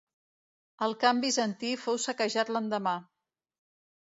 El camp bizantí fou saquejat l'endemà.